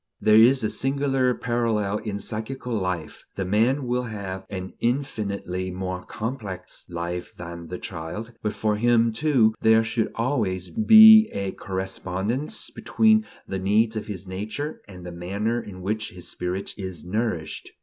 There is a singular parallel in psychical life: the man will have an infinitely more complex life than the child; but for him, too, there should always be a correspondence between the needs of his nature and the manner in which his spirit is nourished.